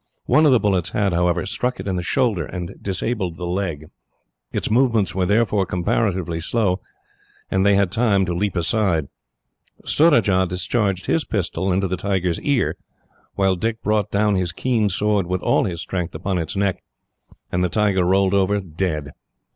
One of the bullets had, however, struck it on the shoulder and disabled the leg. Its movements were therefore comparatively slow, and they had time to leap aside. Surajah discharged his pistol into its ear, while Dick brought down his keen sword, with all his strength, upon its neck; and the tiger rolled over, dead.